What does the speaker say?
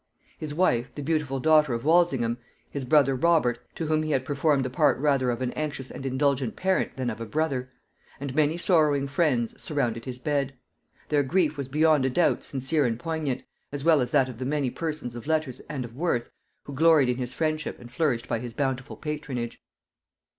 His wife, the beautiful daughter of Walsingham; his brother Robert, to whom he had performed the part rather of an anxious and indulgent parent than of a brother; and many sorrowing friends, surrounded his bed. Their grief was beyond a doubt sincere and poignant, as well as that of the many persons of letters and of worth who gloried in his friendship and flourished by his bountiful patronage.